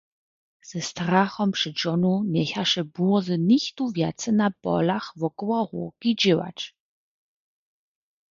Ze strachom před žonu njechaše bórze nichtó wjace na polach wokoło hórki dźěłać.